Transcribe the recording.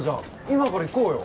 今から行こうよ。